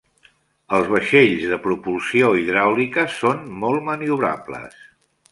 Els vaixells de propulsió hidràulica són molt maniobrables.